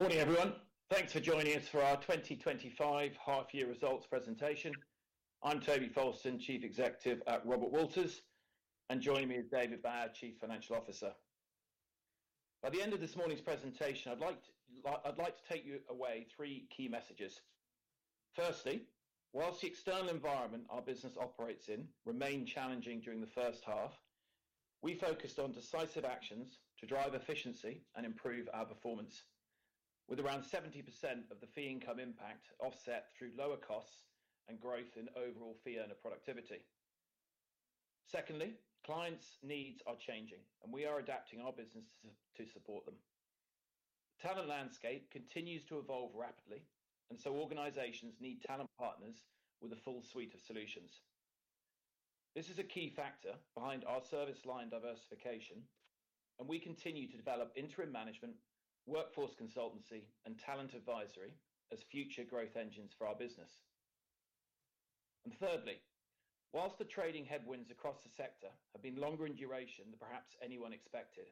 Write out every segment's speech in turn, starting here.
Morning everyone. Thanks for joining us for our 2025 half-year results presentation. I'm Toby Fowlston, Chief Executive at Robert Walters, and joining me is David Bower, Chief Financial Officer. By the end of this morning's presentation, I'd like to take you away with three key messages. Firstly, whilst the external environment our business operates in remained challenging during the first half, we focused on decisive actions to drive efficiency and improve our performance, with around 70% of the fee income impact offset through lower costs and growth in overall fee earner productivity. Secondly, clients' needs are changing, and we are adapting our business to support them. The talent landscape continues to evolve rapidly, and so organizations need talent partners with a full suite of solutions. This is a key factor behind our service line diversification, and we continue to develop interim management, workforce consultancy, and talent advisory as future growth engines for our business. Thirdly, whilst the trading headwinds across the sector have been longer in duration than perhaps anyone expected,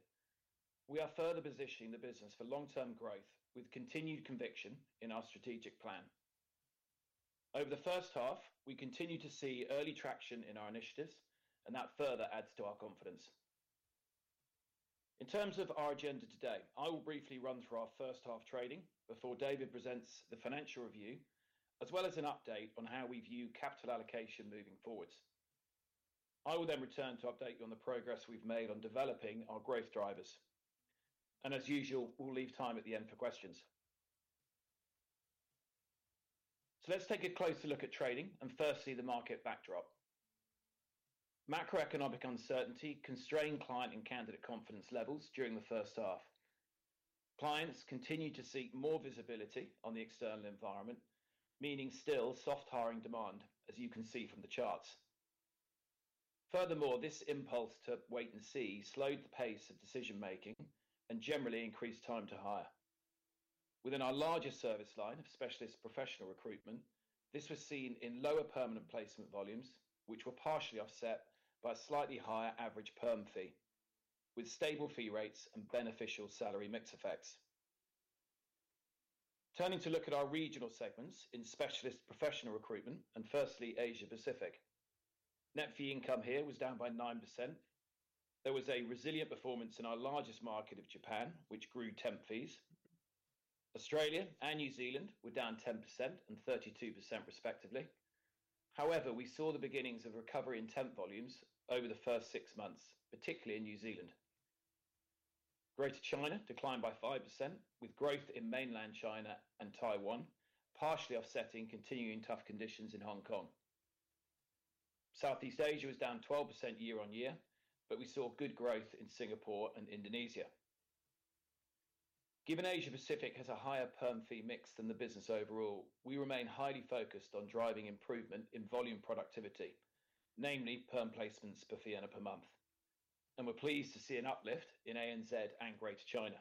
we are further positioning the business for long-term growth with continued conviction in our strategic plan. Over the first half, we continue to see early traction in our initiatives, and that further adds to our confidence. In terms of our agenda today, I will briefly run through our first half trading before David presents the financial review, as well as an update on how we view capital allocation moving forward. I will then return to update you on the progress we've made on developing our growth drivers. As usual, we'll leave time at the end for questions. Let's take a closer look at trading and first see the market backdrop. Macroeconomic uncertainty constrained client and candidate confidence levels during the first half. Clients continue to seek more visibility on the external environment, meaning still soft hiring demand, as you can see from the charts. Furthermore, this impulse to wait and see slowed the pace of decision-making and generally increased time to hire. Within our larger service line of specialist professional recruitment, this was seen in lower permanent placement volumes, which were partially offset by a slightly higher average Perm fee, with stable fee rates and beneficial salary mix effects. Turning to look at our regional segments in specialist professional recruitment and firstly Asia-Pacific, net fee income here was down by 9%. There was a resilient performance in our largest market of Japan, which grew temp fees. Australia and New Zealand were down 10% and 32% respectively. However, we saw the beginnings of recovery in temp volumes over the first six months, particularly in New Zealand. Greater China declined by 5%, with growth in mainland China and Taiwan partially offsetting continuing tough conditions in Hong Kong. Southeast Asia was down 12% year on year, but we saw good growth in Singapore and Indonesia. Given Asia-Pacific has a higher Perm fee mix than the business overall, we remain highly focused on driving improvement in volume productivity, namely perm placements per fee earner per month. We're pleased to see an uplift in ANZ and Greater China.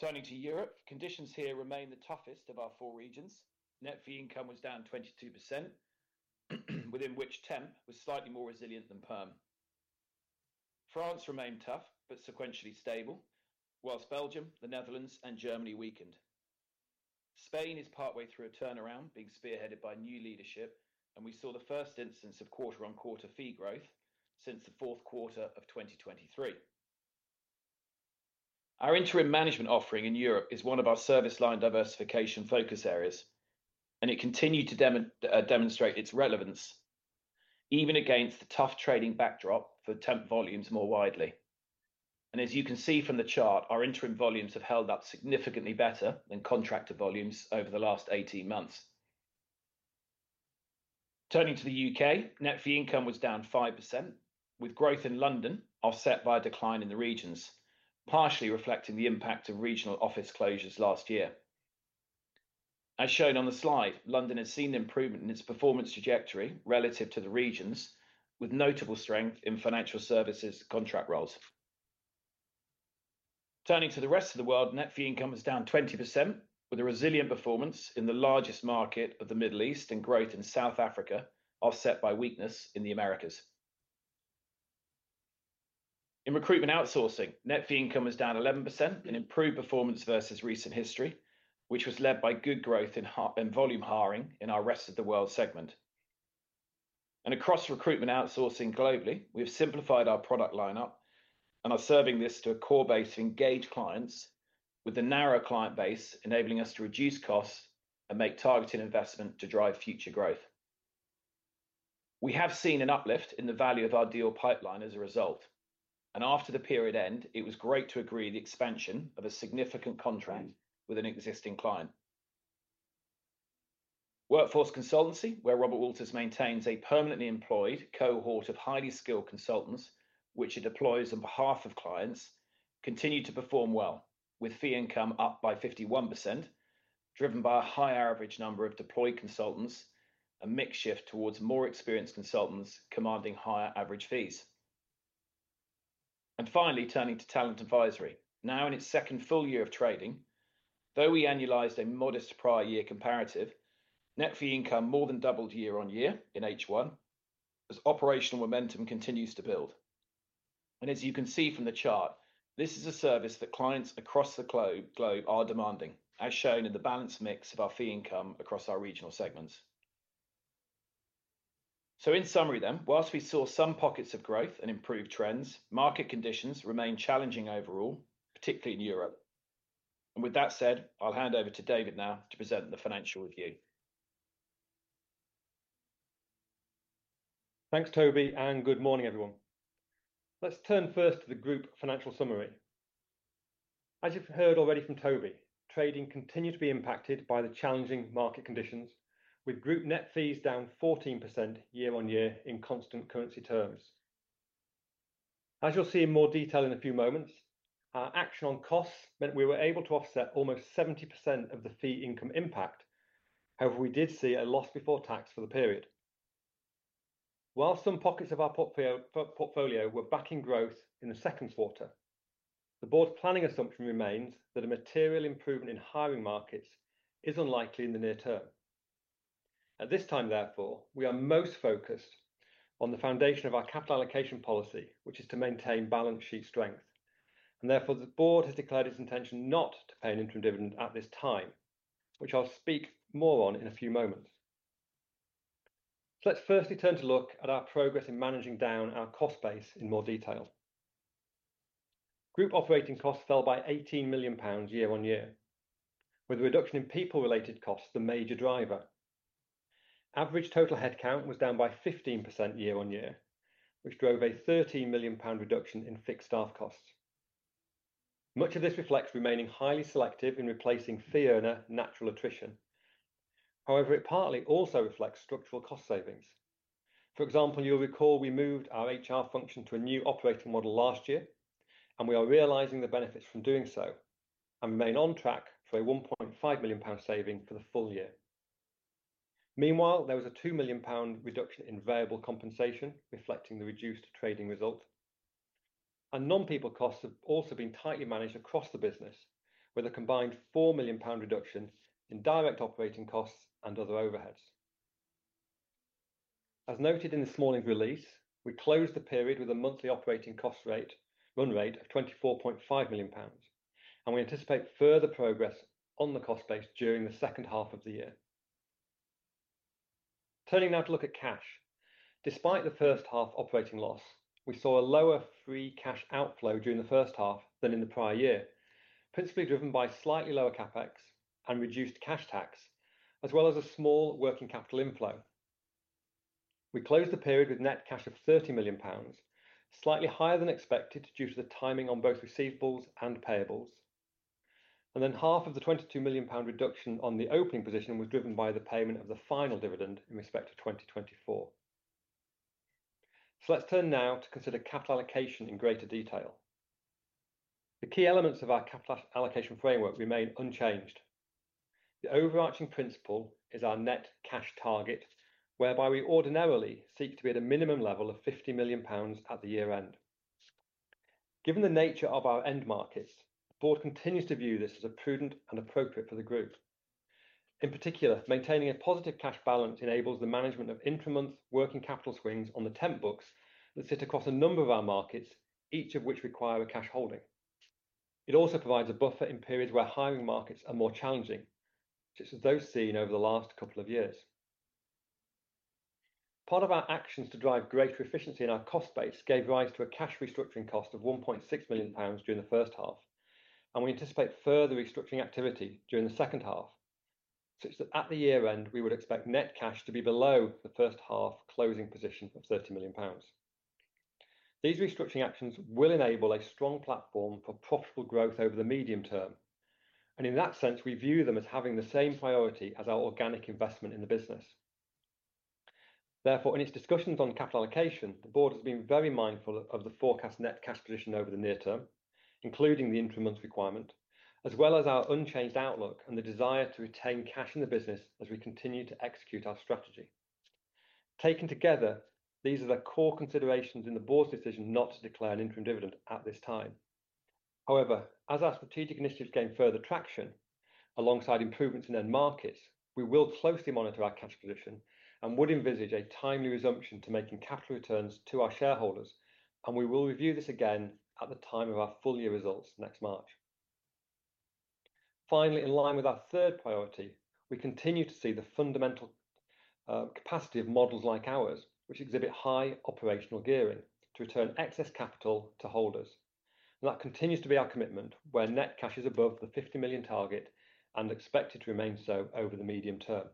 Turning to Europe, conditions here remain the toughest of our four regions. Net fee income was down 22%, within which temp was slightly more resilient than Perm. France remained tough but sequentially stable, while Belgium, the Netherlands, and Germany weakened. Spain is partway through a turnaround, being spearheaded by new leadership, and we saw the first instance of quarter-on-quarter fee growth since the fourth quarter of 2023. Our interim management offering in Europe is one of our service line diversification focus areas, and it continued to demonstrate its relevance even against the tough trading backdrop for temp volumes more widely. As you can see from the chart, our Interim volumes have held up significantly better than contractor volumes over the last 18 months. Turning to the U.K., net fee income was down 5%, with growth in London offset by a decline in the regions, partially reflecting the impact of regional office closures last year. As shown on the slide, London has seen an improvement in its performance trajectory relative to the regions, with notable strength in financial services contract roles. Turning to the rest of the world, net fee income is down 20%, with a resilient performance in the largest market of the Middle East and growth in South Africa offset by weakness in the Americas. In recruitment outsourcing, net fee income is down 11% in improved performance versus recent history, which was led by good growth in volume hiring in our rest of the world segment. Across recruitment outsourcing globally, we have simplified our product lineup and are serving this to a core base of engaged clients, with a narrow client base enabling us to reduce costs and make targeted investment to drive future growth. We have seen an uplift in the value of our deal pipeline as a result, and after the period end, it was great to agree the expansion of a significant contract with an existing client. Workforce consultancy, where Robert Walters maintains a permanently employed cohort of highly skilled consultants, which he deploys on behalf of clients, continued to perform well, with fee income up by 51%, driven by a higher average number of deployed consultants, a mix shift towards more experienced consultants commanding higher average fees. Finally, turning to talent advisory, now in its second full year of trading, though we annualized a modest prior year comparative, net fee income more than doubled year on year in H1, as operational momentum continues to build. As you can see from the chart, this is a service that clients across the globe are demanding, as shown in the balanced mix of our fee income across our regional segments. In summary, whilst we saw some pockets of growth and improved trends, market conditions remain challenging overall, particularly in Europe. With that said, I'll hand over to David now to present the financial review. Thanks, Toby, and good morning, everyone. Let's turn first to the group financial summary. As you've heard already from Toby, trading continued to be impacted by the challenging market conditions, with group net fees down 14% year on year in constant currency terms. As you'll see in more detail in a few moments, our action on costs meant we were able to offset almost 70% of the fee income impact. However, we did see a loss before tax for the period. While some pockets of our portfolio were back in growth in the second quarter, the Board's planning assumption remains that a material improvement in hiring markets is unlikely in the near-term. At this time, therefore, we are most focused on the foundation of our capital allocation policy, which is to maintain balance sheet strength. Therefore, the Board has declared its intention not to pay an Interim dividend at this time, which I'll speak more on in a few moments. Let's firstly turn to look at our progress in managing down our cost base in more detail. Group operating costs fell by 18 million pounds year on year, with a reduction in people-related costs the major driver. Average total headcount was down by 15% year on year, which drove a 13 million pound reduction in fixed staff costs. Much of this reflects remaining highly selective in replacing fee earner natural attrition. However, it partly also reflects structural cost savings. For example, you'll recall we moved our HR function to a new operating model last year, and we are realizing the benefits from doing so, and remain on track for a 1.5 million pound saving for the full year. Meanwhile, there was a 2 million pound reduction in variable compensation, reflecting the reduced trading result. Non-people costs have also been tightly managed across the business, with a combined 4 million pound reduction in direct operating costs and other overheads. As noted in this morning's release, we closed the period with a monthly operating cost run rate of 24.5 million pounds, and we anticipate further progress on the cost base during the second half of the year. Turning now to look at cash. Despite the first half operating loss, we saw a lower free cash outflow during the first half than in the prior year, principally driven by slightly lower CapEx and reduced cash tax, as well as a small working capital inflow. We closed the period with net cash of 30 million pounds, slightly higher than expected due to the timing on both receivables and payables. Half of the 22 million pound reduction on the opening position was driven by the payment of the final dividend in respect to 2024. Let's turn now to consider capital allocation in greater detail. The key elements of our capital allocation framework remain unchanged. The overarching principle is our net cash target, whereby we ordinarily seek to be at a minimum level of 50 million pounds at the year end. Given the nature of our end markets, the Board continues to view this as prudent and appropriate for the group. In particular, maintaining a positive cash balance enables the management of intermonth working capital swings on the temp books that sit across a number of our markets, each of which require a cash holding. It also provides a buffer in periods where hiring markets are more challenging, such as those seen over the last couple of years. Part of our actions to drive greater efficiency in our cost base gave rise to a cash restructuring cost of 1.6 million pounds during the first half, and we anticipate further restructuring activity during the second half, such that at the year end, we would expect net cash to be below the first half closing position of 30 million pounds. These restructuring actions will enable a strong platform for profitable growth over the medium term, and in that sense, we view them as having the same priority as our organic investment in the business. Therefore, in its discussions on capital allocation, the Board has been very mindful of the forecast net cash position over the near-term, including the Interim months requirement, as well as our unchanged outlook and the desire to retain cash in the business as we continue to execute our strategy. Taken together, these are the core considerations in the Board's decision not to declare an Interim dividend at this time. However, as our strategic initiatives gain further traction, alongside improvements in end markets, we will closely monitor our cash position and would envisage a timely resumption to making capital returns to our shareholders, and we will review this again at the time of our full year results next March. Finally, in line with our third priority, we continue to see the fundamental capacity of models like ours, which exhibit high operational gearing to return excess capital to holders. That continues to be our commitment, where net cash is above the 50 million target and expected to remain so over the medium term.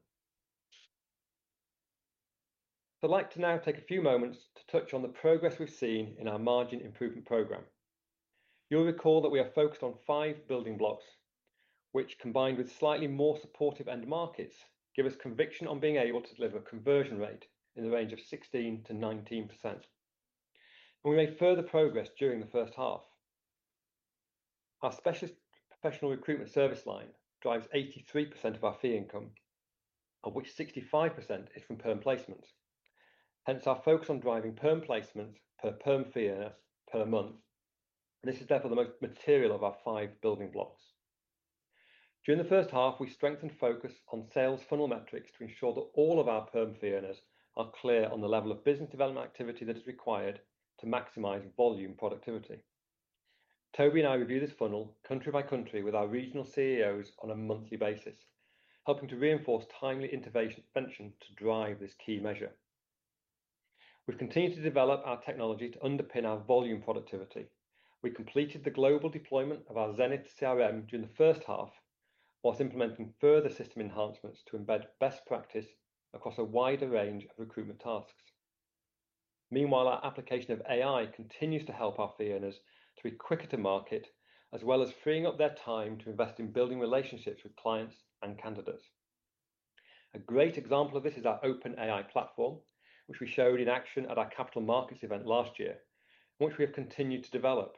I'd like to now take a few moments to touch on the progress we've seen in our margin improvement program. You'll recall that we are focused on five building blocks, which, combined with slightly more supportive end markets, give us conviction on being able to deliver a conversion rate in the range of 16%-19%. We made further progress during the first half. Our specialist professional recruitment service line drives 83% of our fee income, of which 65% is from perm placements. Hence, our focus on driving perm placements per Perm fee earners per month. This is therefore the most material of our five building blocks. During the first half, we strengthened focus on sales funnel metrics to ensure that all of our Perm fee earners are clear on the level of business development activity that is required to maximize volume productivity. Toby and I review this funnel country by country with our regional CEOs on a monthly basis, helping to reinforce timely intervention to drive this key measure. We've continued to develop our technology to underpin our volume productivity. We completed the global deployment of our Zenith CRM during the first half, while implementing further system enhancements to embed best practice across a wider range of recruitment tasks. Meanwhile, our application of AI continues to help our fee earners to be quicker to market, as well as freeing up their time to invest in building relationships with clients and candidates. A great example of this is our OpenAI platform, which we showed in action at our Capital Markets Event last year, which we have continued to develop.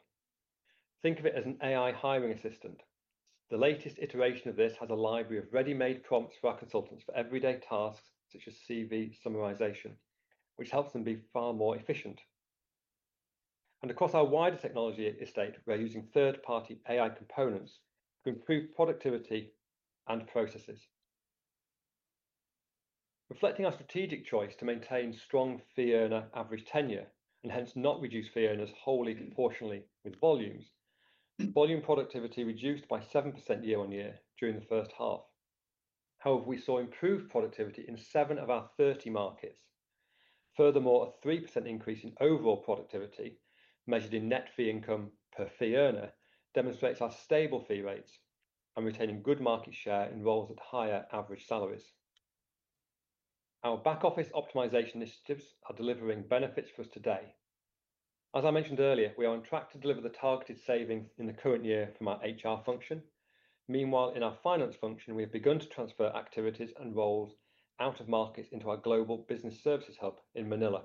Think of it as an AI hiring assistant. The latest iteration of this has a library of ready-made prompts for our consultants for everyday tasks, such as CV summarization, which helps them be far more efficient. Across our wider technology estate, we are using third-party AI components to improve productivity and processes. Reflecting our strategic choice to maintain strong fee earner average tenure and hence not reduce fee earners wholly proportionately with volumes, volume productivity reduced by 7% year on year during the first half. However, we saw improved productivity in seven of our 30 markets. Furthermore, a 3% increase in overall productivity measured in net fee income per fee earner demonstrates our stable fee rates and retaining good market share in roles at higher average salaries. Our back-office optimization initiatives are delivering benefits for us today. As I mentioned earlier, we are on track to deliver the targeted savings in the current year from our HR function. In our finance function, we have begun to transfer activities and roles out of markets into our global business services hub in Manila.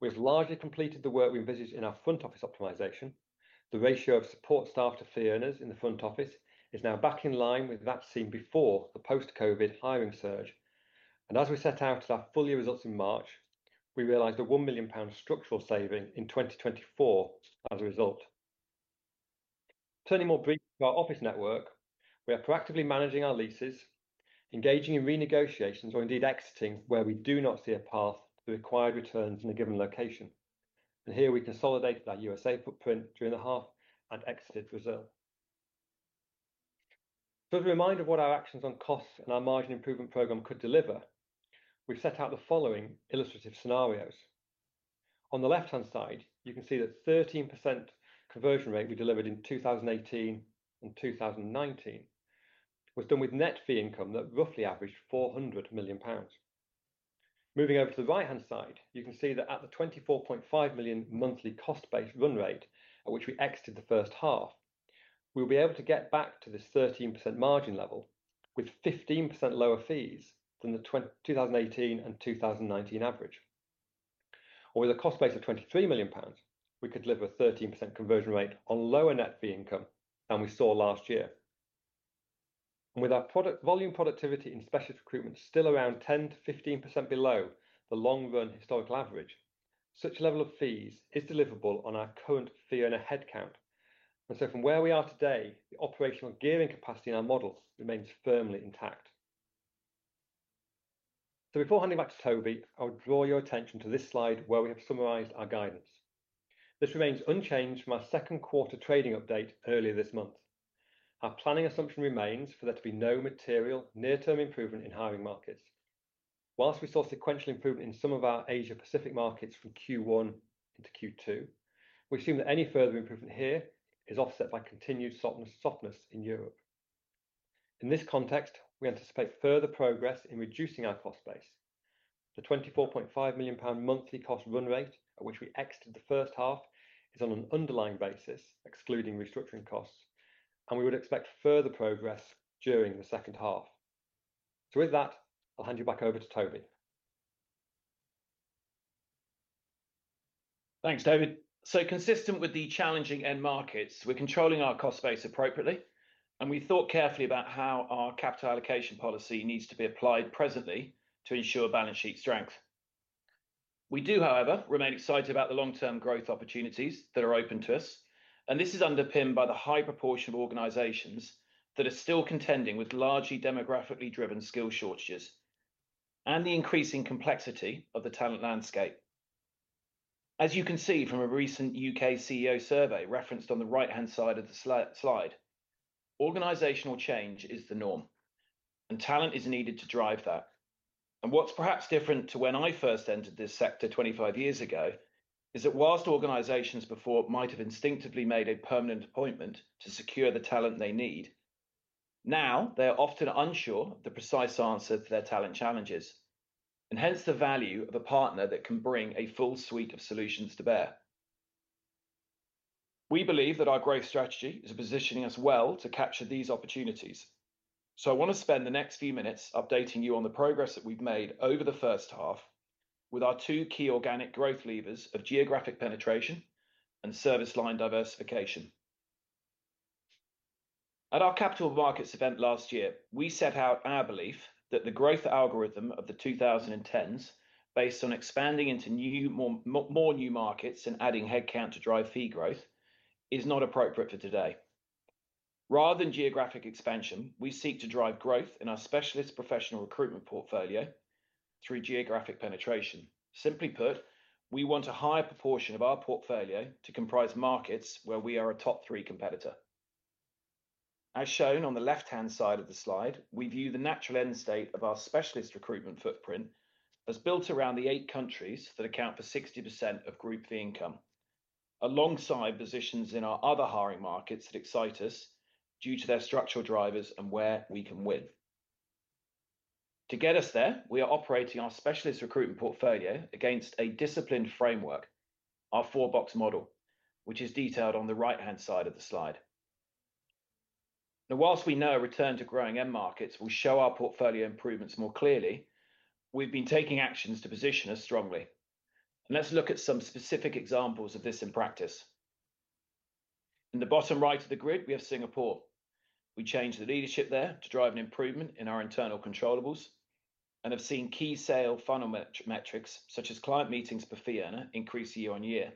We've largely completed the work we envisaged in our front office optimization. The ratio of support staff to fee earners in the front office is now back in line with that seen before the post-COVID hiring surge. As we set out to our full year results in March, we realized a 1 million pound structural saving in 2024 as a result. Turning more briefly to our office network, we are proactively managing our leases, engaging in renegotiations, or indeed exiting where we do not see a path to required returns in a given location. Here we consolidated our U.S.A. footprint during the half and exited Brazil. As a reminder of what our actions on costs and our margin improvement program could deliver, we've set out the following illustrative scenarios. On the left-hand side, you can see that 13% conversion rate we delivered in 2018 and 2019 was done with net fee income that roughly averaged 400 million pounds. Moving over to the right-hand side, you can see that at the 24.5 million monthly cost-based run rate, at which we exited the first half, we'll be able to get back to this 13% margin level with 15% lower fees than the 2018 and 2019 average. With a cost base of 23 million pounds, we could deliver a 13% conversion rate on lower net fee income than we saw last year. With our volume productivity in specialist recruitment still around 10%-15% below the long-run historical average, such a level of fees is deliverable on our current fee earner headcount. From where we are today, the operational gearing capacity in our models remains firmly intact. Before handing back to Toby, I'll draw your attention to this slide where we have summarized our guidance. This remains unchanged from our second quarter trading update earlier this month. Our planning assumption remains for there to be no material near-term improvement in hiring markets. Whilst we saw sequential improvement in some of our Asia-Pacific markets from Q1 into Q2, we assume that any further improvement here is offset by continued softness in Europe. In this context, we anticipate further progress in reducing our cost base. The 24.5 million pound monthly cost run rate at which we exited the first half is on an underlying basis, excluding restructuring costs, and we would expect further progress during the second half. With that, I'll hand you back over to Toby. Thanks, David. Consistent with the challenging end markets, we're controlling our cost base appropriately, and we thought carefully about how our capital allocation policy needs to be applied presently to ensure balance sheet strength. We do, however, remain excited about the long-term growth opportunities that are open to us, and this is underpinned by the high proportion of organizations that are still contending with largely demographically driven skill shortages and the increasing complexity of the talent landscape. As you can see from a recent U.K. CEO survey referenced on the right-hand side of the slide, organizational change is the norm, and talent is needed to drive that. What's perhaps different to when I first entered this sector 25 years ago is that whilst organizations before might have instinctively made a permanent appointment to secure the talent they need, now they're often unsure of the precise answer to their talent challenges, and hence the value of a partner that can bring a full suite of solutions to bear. We believe that our growth strategy is positioning us well to capture these opportunities. I want to spend the next few minutes updating you on the progress that we've made over the first half with our two key organic growth levers of geographic penetration and service line diversification. At our Capital Markets Event last year, we set out our belief that the growth algorithm of the 2010s, based on expanding into more new markets and adding headcount to drive fee growth, is not appropriate for today. Rather than geographic expansion, we seek to drive growth in our specialist professional recruitment portfolio through geographic penetration. Simply put, we want a higher proportion of our portfolio to comprise markets where we are a top three competitor. As shown on the left-hand side of the slide, we view the natural end state of our specialist recruitment footprint as built around the eight countries that account for 60% of group fee income, alongside positions in our other hiring markets that excite us due to their structural drivers and where we can win. To get us there, we are operating our specialist recruitment portfolio against a disciplined framework, our Four-Box Model, which is detailed on the right-hand side of the slide. Whilst we know a return to growing end markets will show our portfolio improvements more clearly, we've been taking actions to position us strongly. Let's look at some specific examples of this in practice. In the bottom right of the grid, we have Singapore. We changed the leadership there to drive an improvement in our internal controllables and have seen key sale funnel metrics, such as client meetings per fee earner, increase year on year.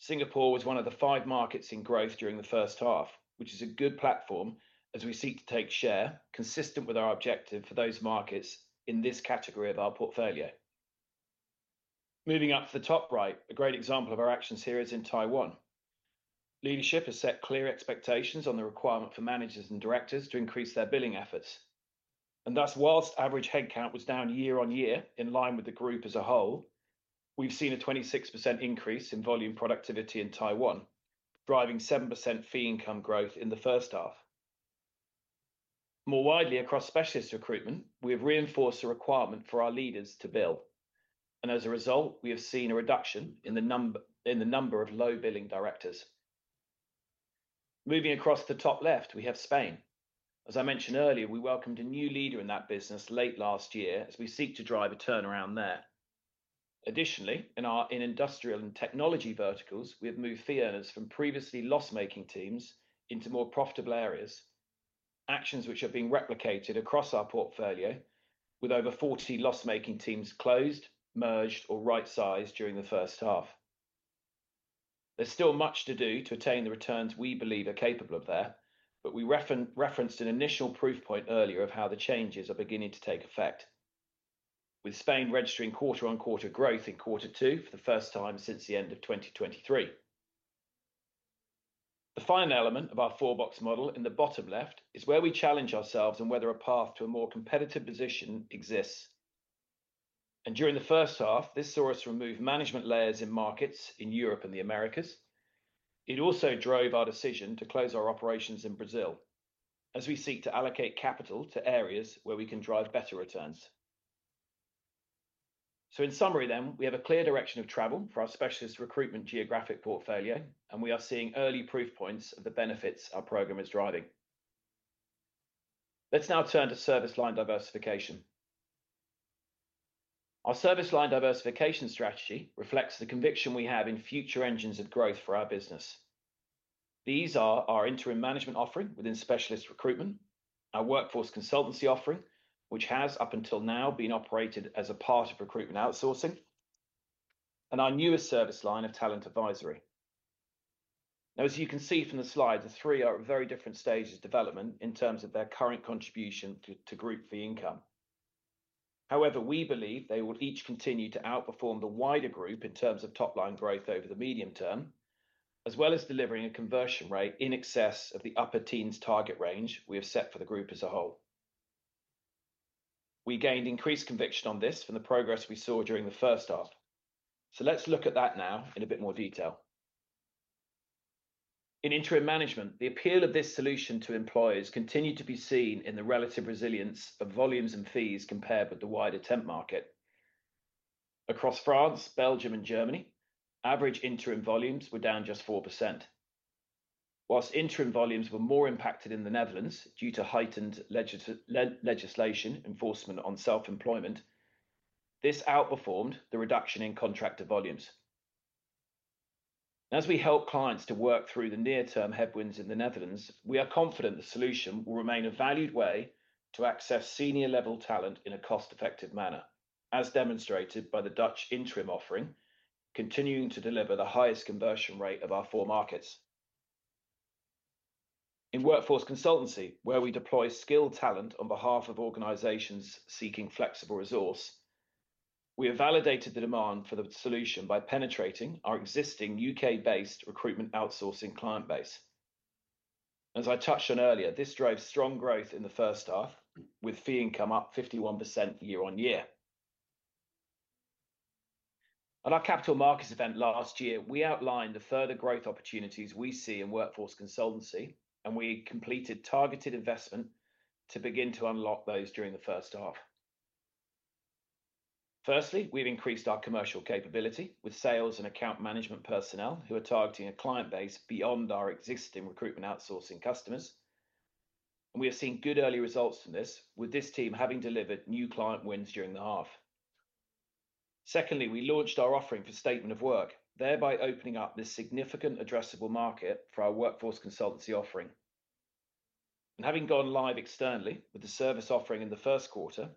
Singapore was one of the five markets in growth during the first half, which is a good platform as we seek to take share consistent with our objective for those markets in this category of our portfolio. Moving up to the top right, a great example of our action series in Taiwan. Leadership has set clear expectations on the requirement for Managers and Directors to increase their billing efforts. Thus, whilst average headcount was down year on year, in line with the group as a whole, we've seen a 26% increase in volume productivity in Taiwan, driving 7% fee income growth in the first half. More widely across specialist recruitment, we have reinforced a requirement for our leaders to bill. As a result, we have seen a reduction in the number of low billing Directors. Moving across to the top left, we have Spain. As I mentioned earlier, we welcomed a new leader in that business late last year as we seek to drive a turnaround there. Additionally, in our industrial and technology verticals, we have moved fee earners from previously loss-making teams into more profitable areas, actions which are being replicated across our portfolio, with over 40 loss-making teams closed, merged, or right-sized during the first half. There's still much to do to attain the returns we believe are capable of there, but we referenced an initial proof point earlier of how the changes are beginning to take effect, with Spain registering quarter-on-quarter growth in quarter two for the first time since the end of 2023. The final element of our Four-Box Model in the bottom left is where we challenge ourselves on whether a path to a more competitive position exists. During the first half, this saw us remove management layers in markets in Europe and the Americas. It also drove our decision to close our operations in Brazil as we seek to allocate capital to areas where we can drive better returns. In summary, then, we have a clear direction of travel for our specialist recruitment geographic portfolio, and we are seeing early proof points of the benefits our program is driving. Let's now turn to service line diversification. Our service line diversification strategy reflects the conviction we have in future engines of growth for our business. These are our interim management offering within specialist recruitment, our workforce consultancy offering, which has up until now been operated as a part of recruitment outsourcing, and our newest service line of talent advisory. As you can see from the slide, the three are at very different stages of development in terms of their current contribution to group fee income. However, we believe they will each continue to outperform the wider group in terms of top-line growth over the medium term, as well as delivering a conversion rate in excess of the upper teens target range we have set for the group as a whole. We gained increased conviction on this from the progress we saw during the first half. Let's look at that now in a bit more detail. In interim management, the appeal of this solution to employers continued to be seen in the relative resilience of volumes and fees compared with the wider temp market. Across France, Belgium, and Germany, average Interim volumes were down just 4%. Whilst Interim volumes were more impacted in the Netherlands due to heightened legislation enforcement on self-employment, this outperformed the reduction in contractor volumes. As we help clients to work through the near-term headwinds in the Netherlands, we are confident the solution will remain a valued way to access senior-level talent in a cost-effective manner, as demonstrated by the Dutch Interim offering, continuing to deliver the highest conversion rate of our four markets. In workforce consultancy, where we deploy skilled talent on behalf of organizations seeking flexible resource, we have validated the demand for the solution by penetrating our existing U.K.-based recruitment outsourcing client base. As I touched on earlier, this drove strong growth in the first half, with fee income up 51% year on year. At our Capital Markets Event last year, we outlined the further growth opportunities we see in workforce consultancy, and we completed targeted investment to begin to unlock those during the first half. Firstly, we've increased our commercial capability with sales and account management personnel who are targeting a client base beyond our existing recruitment outsourcing customers. We are seeing good early results from this, with this team having delivered new client wins during the half. Secondly, we launched our offering for statement of work, thereby opening up this significant addressable market for our workforce consultancy offering. Having gone live externally with the service offering in the first quarter,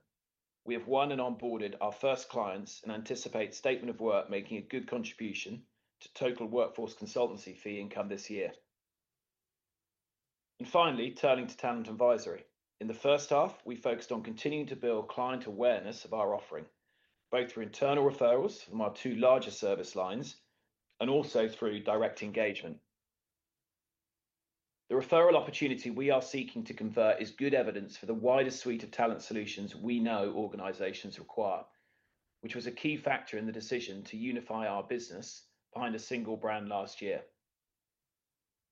we have won and onboarded our first clients and anticipate statement of work making a good contribution to total workforce consultancy fee income this year. Finally, turning to talent advisory, in the first half, we focused on continuing to build client awareness of our offering, both through internal referrals from our two larger service lines and also through direct engagement. The referral opportunity we are seeking to convert is good evidence for the widest suite of talent solutions we know organizations require, which was a key factor in the decision to unify our business behind a single brand last year.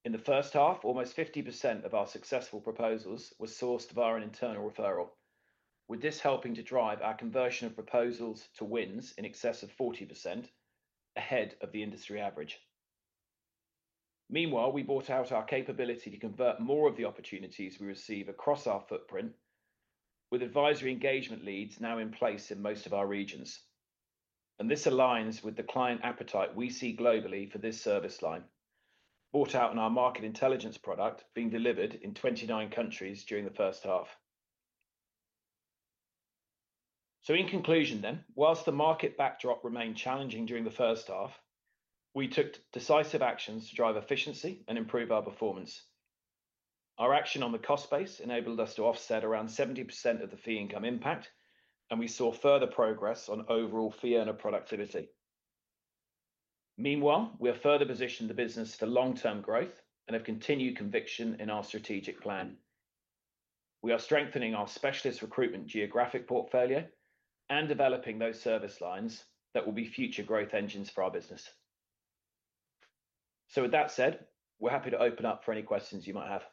In the first half, almost 50% of our successful proposals were sourced via an internal referral, with this helping to drive our conversion of proposals to wins in excess of 40% ahead of the industry average. Meanwhile, we brought out our capability to convert more of the opportunities we receive across our footprint, with advisory engagement leads now in place in most of our regions. This aligns with the client appetite we see globally for this service line, brought out in our market intelligence product being delivered in 29 countries during the first half. In conclusion, whilst the market backdrop remained challenging during the first half, we took decisive actions to drive efficiency and improve our performance. Our action on the cost base enabled us to offset around 70% of the fee income impact, and we saw further progress on overall fee earner productivity. Meanwhile, we have further positioned the business for long-term growth and have continued conviction in our strategic plan. We are strengthening our specialist recruitment geographic portfolio and developing those service lines that will be future growth engines for our business. With that said, we're happy to open up for any questions you might have.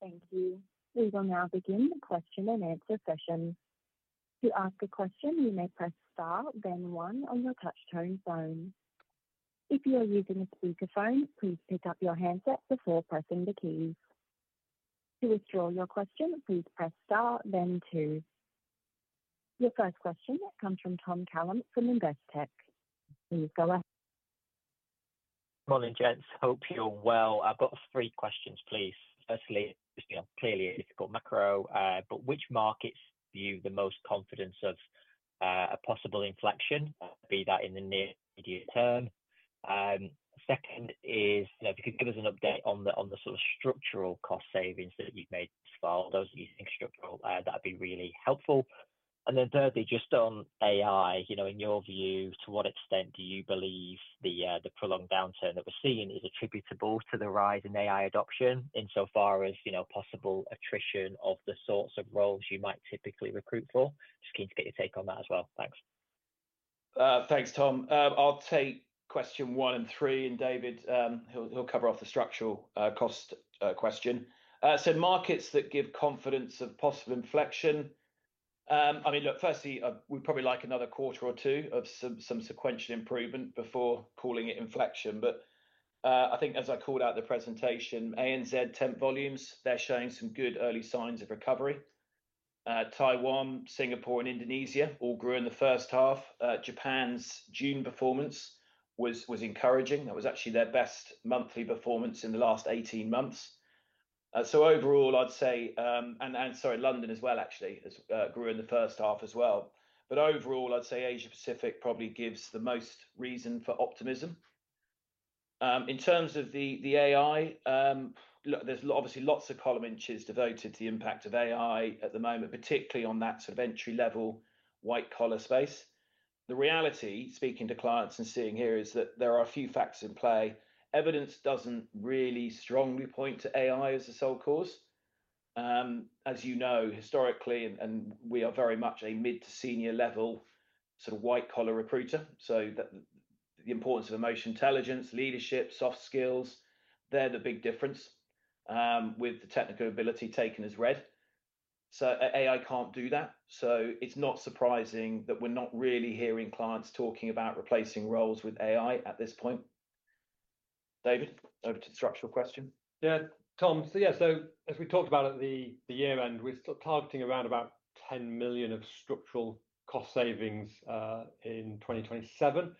Thank you. We will now begin the question-and-answer session. To ask a question, you may press star, then one on your touch-tone phone. If you are using a speaker phone, please pick up your handset before pressing the keys. To withdraw your question, please press star, then two. Your first question comes from Tom Callan from Investec. Please go ahead. Morning, gents. Hope you're well. I've got three questions, please. Firstly, clearly a difficult macro, but which markets give you the most confidence of a possible inflection, be that in the near immediate term? Second is, you know, if you could give us an update on the sort of structural cost savings that you've made thus far, those that you think structural, that would be really helpful. Thirdly, just on AI, you know, in your view, to what extent do you believe the prolonged downturn that we're seeing is attributable to the rise in AI adoption insofar as, you know, possible attrition of the sorts of roles you might typically recruit for? Just keen to get your take on that as well. Thanks. Thanks, Tom. I'll take question one and three, and David, he'll cover off the structural cost question. Markets that give confidence of possible inflection, I mean, look, firstly, we'd probably like another quarter or two of some sequential improvement before calling it inflection. As I called out in the presentation, ANZ temp volumes, they're showing some good early signs of recovery. Taiwan, Singapore, and Indonesia all grew in the first half. Japan's June performance was encouraging. That was actually their best monthly performance in the last 18 months. Overall, I'd say, and sorry, London as well, actually, grew in the first half as well. Overall, I'd say Asia-Pacific probably gives the most reason for optimism. In terms of the AI, there's obviously lots of column inches devoted to the impact of AI at the moment, particularly on that sort of entry-level white-collar space. The reality, speaking to clients and seeing here, is that there are a few factors in play. Evidence doesn't really strongly point to AI as the sole cause. As you know, historically, and we are very much a mid to senior level sort of white-collar recruiter. The importance of emotional intelligence, leadership, soft skills, they're the big difference with the technical ability taken as read. AI can't do that. It's not surprising that we're not really hearing clients talking about replacing roles with AI at this point. David, over to the structural question. Yeah, Tom. As we talked about at the year-end, we're sort of targeting around about 10 million of structural cost savings in 2027.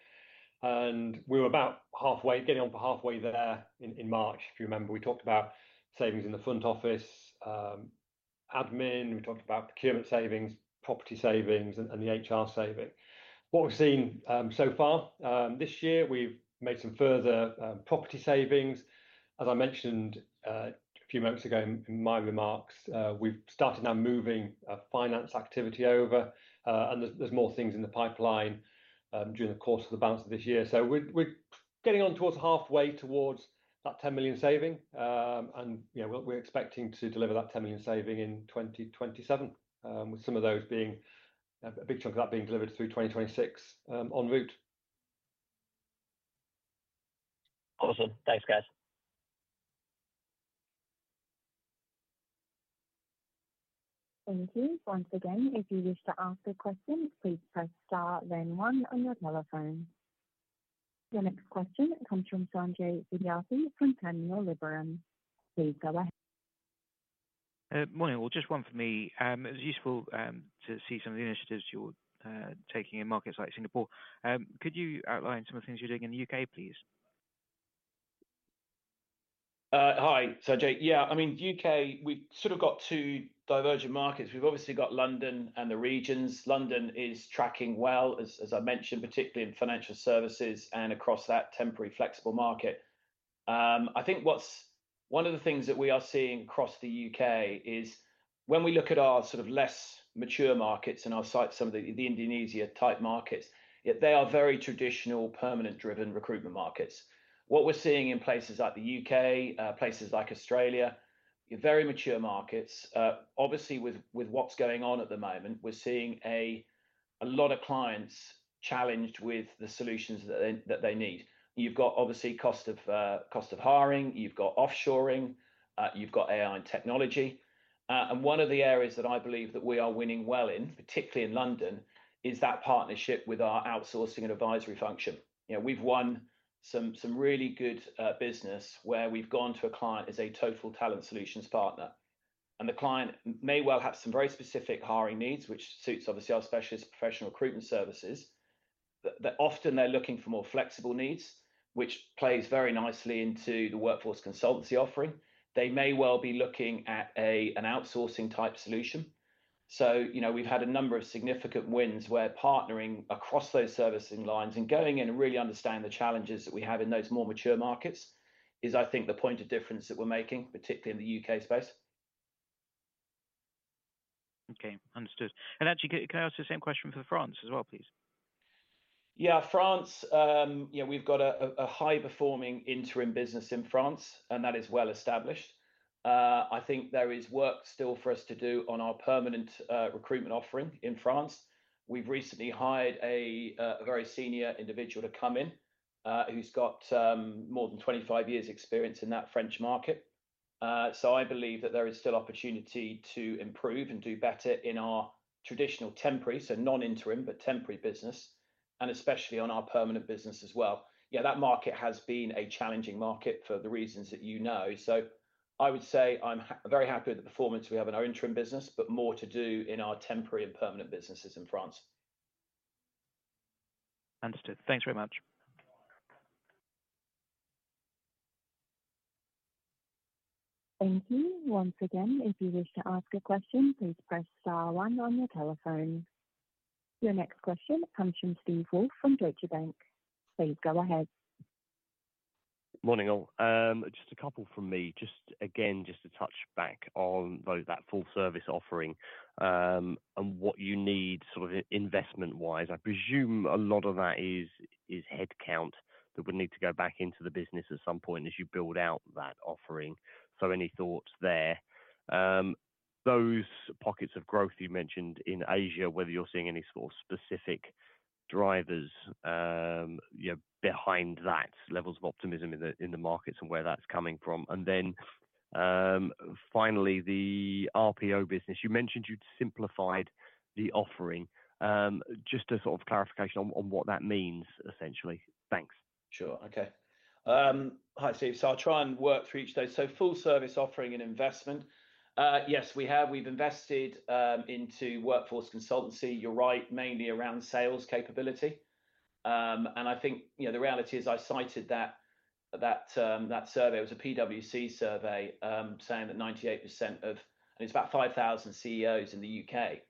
We were about halfway, getting on for halfway there in March. If you remember, we talked about savings in the front office, admin, we talked about procurement savings, property savings, and the HR saving. What we've seen so far this year, we've made some further property savings. As I mentioned a few moments ago in my remarks, we've started now moving finance activity over, and there's more things in the pipeline during the course of the balance of this year. We're getting on towards halfway towards that 10 million saving, and we're expecting to deliver that 10 million saving in 2027, with some of those being, a big chunk of that being delivered through 2026 en route. Awesome. Thanks, guys. Thank you. Once again, if you wish to ask a question, please press star, then one on your telephone. Your next question comes from Sanjay Vidyarthi from Panmure Liberum. Please go ahead. Morning. Just one for me. It was useful to see some of the initiatives you're taking in markets like Singapore. Could you outline some of the things you're doing in the U.K., please? Hi, Sanjay. Yeah, I mean, the U.K., we've sort of got two divergent markets. We've obviously got London and the regions. London is tracking well, as I mentioned, particularly in financial services and across that temporary flexible market. I think one of the things that we are seeing across the U.K. is when we look at our sort of less mature markets and our site, some of the Indonesia-type markets, they are very traditional permanent-driven recruitment markets. What we're seeing in places like the U.K., places like Australia, very mature markets, obviously with what's going on at the moment, we're seeing a lot of clients challenged with the solutions that they need. You've got obviously cost of hiring, you've got offshoring, you've got AI and technology. One of the areas that I believe that we are winning well in, particularly in London, is that partnership with our outsourcing and advisory function. We've won some really good business where we've gone to a client as a total talent solutions partner. The client may well have some very specific hiring needs, which suits obviously our specialist professional recruitment services. Often they're looking for more flexible needs, which plays very nicely into the workforce consultancy offering. They may well be looking at an outsourcing-type solution. We've had a number of significant wins where partnering across those servicing lines and going in and really understanding the challenges that we have in those more mature markets is, I think, the point of difference that we're making, particularly in the U.K. space. Okay, understood. Can I ask the same question for France as well, please? France, you know, we've got a high-performing Interim business in France, and that is well-established. I think there is work still for us to do on our permanent recruitment offering in France. We've recently hired a very senior individual to come in who's got more than 25 years of experience in that French market. I believe that there is still opportunity to improve and do better in our traditional temporary, so non-Interim, but temporary business, and especially on our permanent business as well. That market has been a challenging market for the reasons that you know. I would say I'm very happy with the performance we have in our Interim business, but more to do in our temporary and permanent businesses in France. Understood. Thanks very much. Thank you. Once again, if you wish to ask a question, please press star one on your telephone. Your next question comes from Steve Woolf from Deutsche Bank. Please go ahead. Morning all. Just a couple from me. Just to touch back on that full-service offering and what you need sort of investment-wise. I presume a lot of that is headcount that would need to go back into the business at some point as you build out that offering. Any thoughts there? Those pockets of growth you mentioned in Asia, whether you're seeing any sort of specific drivers behind that, levels of optimism in the markets and where that's coming from. Finally, the RPO business, you mentioned you'd simplified the offering. Just a sort of clarification on what that means, essentially. Thanks. Sure. Okay. Hi, Steve. I'll try and work through each of those. Full-service offering and investment, yes, we have. We've invested into workforce consultancy. You're right, mainly around sales capability. I think the reality is I cited that survey. It was a PwC survey saying that 98% of, and it's about 5,000 CEOs in the U.K.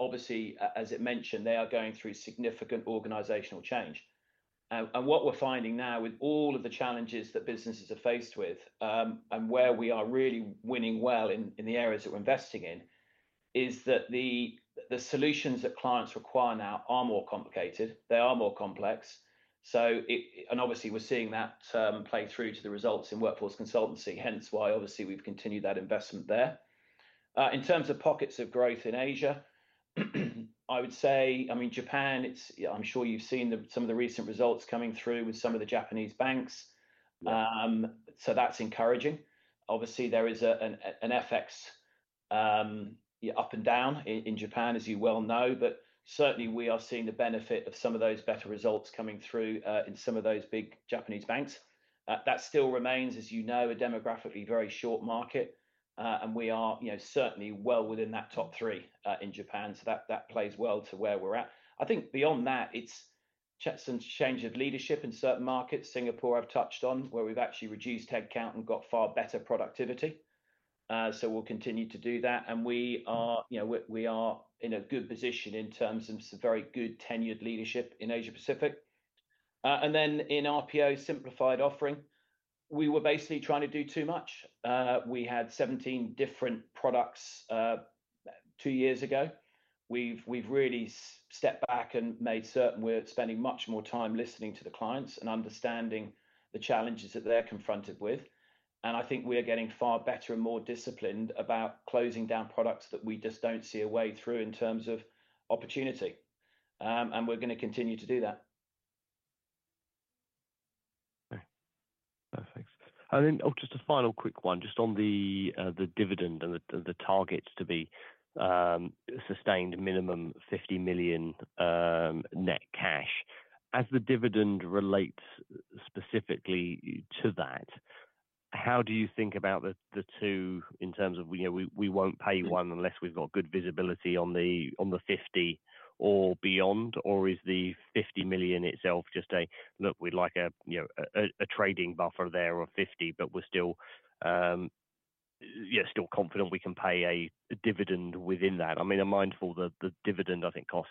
Obviously, as it mentioned, they are going through significant organizational change. What we're finding now with all of the challenges that businesses are faced with and where we are really winning well in the areas that we're investing in is that the solutions that clients require now are more complicated. They are more complex. We're seeing that play through to the results in workforce consultancy, hence why we've continued that investment there. In terms of pockets of growth in Asia, I would say Japan. I'm sure you've seen some of the recent results coming through with some of the Japanese banks. That's encouraging. Obviously, there is an FX up and down in Japan, as you well know, but certainly, we are seeing the benefit of some of those better results coming through in some of those big Japanese banks. That still remains, as you know, a demographically very short market, and we are certainly well within that top three in Japan. That plays well to where we're at. I think beyond that, it's some change of leadership in certain markets. Singapore, I've touched on where we've actually reduced headcount and got far better productivity. We'll continue to do that. We are in a good position in terms of some very good tenured leadership in Asia-Pacific. In RPO simplified offering, we were basically trying to do too much. We had 17 different products two years ago. We've really stepped back and made certain we're spending much more time listening to the clients and understanding the challenges that they're confronted with. I think we're getting far better and more disciplined about closing down products that we just don't see a way through in terms of opportunity. We're going to continue to do that. Thanks. Just a final quick one, on the dividend and the targets to be sustained minimum 50 million net cash. As the dividend relates specifically to that, how do you think about the two in terms of we won't pay one unless we've got good visibility on the 50 million or beyond? Is the 50 million itself just a, look, we'd like a trading buffer there of 50 million, but we're still confident we can pay a dividend within that? I'm mindful that the dividend, I think, cost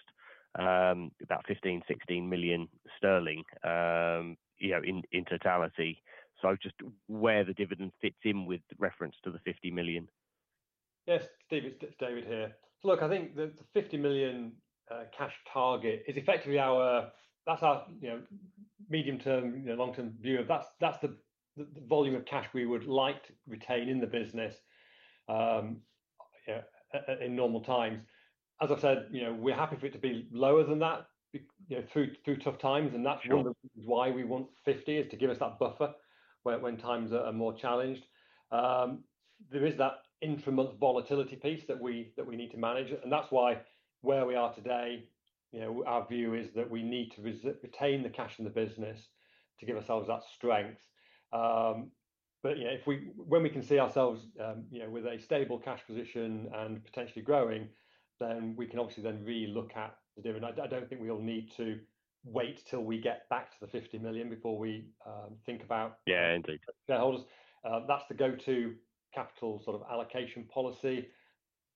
about 15 million, 16 million sterling in totality. Just where the dividend fits in with reference to the 50 million. Yes, David here. I think the 50 million cash target is effectively our medium-term, long-term view of that. That's the volume of cash we would like to retain in the business in normal times. As I said, we're happy for it to be lower than that through tough times. One of the reasons why we want 50 million is to give us that buffer when times are more challenged. There is that Interim month volatility piece that we need to manage. That's why, where we are today, our view is that we need to retain the cash in the business to give ourselves that strength. When we can see ourselves with a stable cash position and potentially growing, then we can obviously relook at the dividend. I don't think we'll need to wait till we get back to the 50 million before we think about it. Yeah, indeed. That's the go-to capital allocation policy.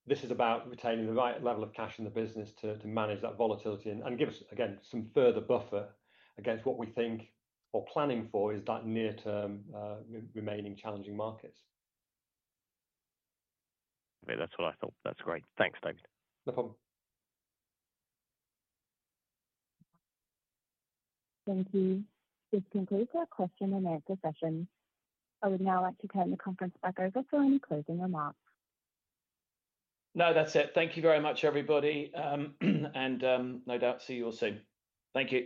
This is about retaining the right level of cash in the business to manage that volatility and give us, again, some further buffer against what we think or are planning for is that near-term remaining challenging markets. That's all I thought. That's great. Thanks, David. No problem. Thank you. This includes our question-and-answer session. I would now like to turn the conference back over for any closing remarks. No, that's it. Thank you very much, everybody. No doubt, see you all soon. Thank you.